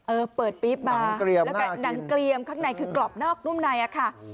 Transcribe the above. เออเปิดปี๊บมาแล้วก็หนังเกลียมข้างในคือกรอบนอกนุ่มในอะค่ะ